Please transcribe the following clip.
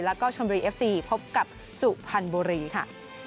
แล้วก็ชมบุรีเอฟซีพบกับสุพรรณบุรีค่ะ